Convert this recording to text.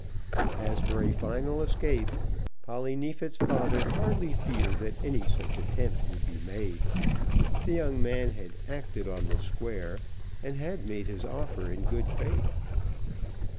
As for a final escape, Polly Neefit's father hardly feared that any such attempt would be made. The young man had acted on the square, and had made his offer in good faith.